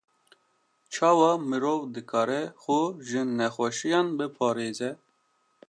Çawa mirov dikare xwe ji nexweşiyan biparêze?